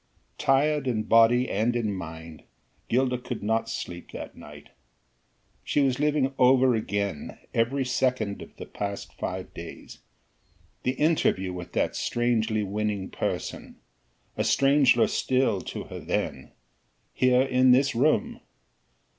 Tired in body and in mind, Gilda could not sleep that night. She was living over again every second of the past five days: the interview with that strangely winning person a stranger still to her then here in this room!